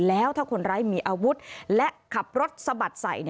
แล้วถ้าคนร้ายมีอาวุธและขับรถสะบัดใส่